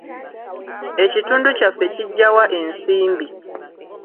Ekitundu kyaffe kiggya wa ensimbi?